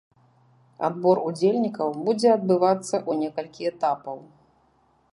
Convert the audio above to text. Адбор удзельнікаў будзе адбывацца ў некалькі этапаў.